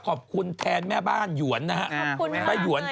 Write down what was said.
ขอบคุณแทนแม่บ้านหยวนนะครับ